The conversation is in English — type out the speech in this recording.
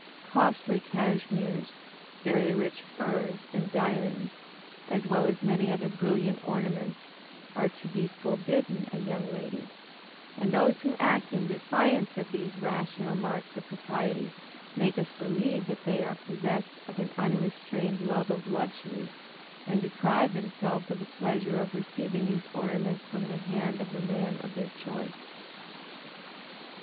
Costly cashmeres, very rich furs, and diamonds, as well as many other brilliant ornaments, are to be forbidden a young lady; and those who act in defiance of these rational marks of propriety make us believe that they are possessed of an unrestrained love of luxury, and deprive themselves of the pleasure of receiving these ornaments from the hand of the man of their choice.